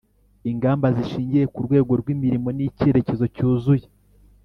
ingamba zishingiye ku rwego rw'imirimo n'icyerekezo cyuzuye,